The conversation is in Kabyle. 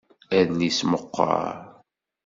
Adlis meqqer.